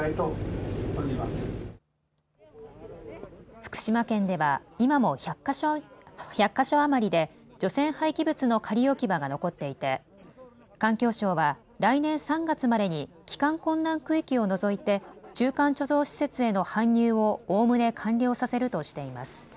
福島県では今も１００か所余りで除染廃棄物の仮置き場が残っていて環境省は来年３月までに帰還困難区域を除いて中間貯蔵施設への搬入をおおむね完了させるとしています。